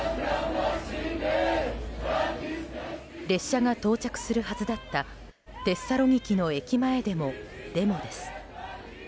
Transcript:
列車が到着するはずだったテッサロニキの駅前でもデモです。